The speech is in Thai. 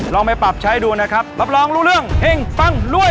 ลองไปปรับใช้ดูนะครับรับรองรู้เรื่องเฮ่งฟังรวย